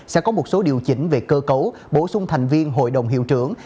sẽ có một số điều chỉnh về cơ cấu bổ sung thành viên hội đồng hiệu trưởng